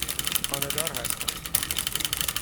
خانه دار هستم.